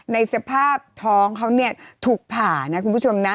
ในสภาพท้องเขาเนี่ยถูกผ่านะคุณผู้ชมนะ